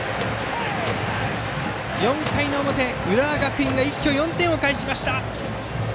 ４回の表、浦和学院が一挙４点を返しました！